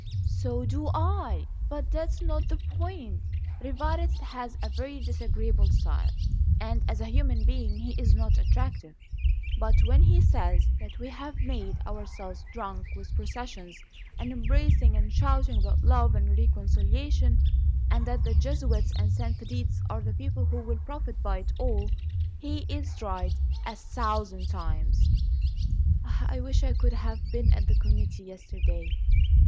"So do I; but that's not the point. Rivarez has a very disagreeable style, and as a human being he is not attractive; but when he says that we have made ourselves drunk with processions and embracing and shouting about love and reconciliation, and that the Jesuits and Sanfedists are the people who will profit by it all, he's right a thousand times. I wish I could have been at the committee yesterday.